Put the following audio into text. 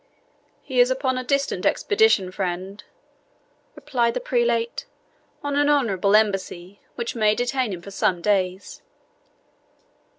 "He is upon a distant expedition, friend," replied the prelate "on an honourable embassy, which may detain him for some days."